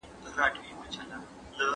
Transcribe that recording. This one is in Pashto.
زه به سبا سبزېجات تياروم وم!!